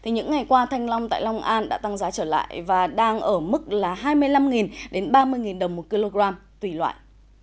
những ngày qua thanh long tại long an đã tăng giá trở lại và đang ở mức hai mươi năm đến ba mươi đồng một kg tùy loại